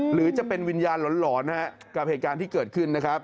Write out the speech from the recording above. หรือจะเป็นวิญญาณร้อนกับประโยชน์ที่เกิดขึ้น